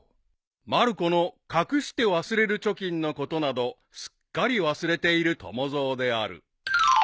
［まる子の隠して忘れる貯金のことなどすっかり忘れている友蔵である］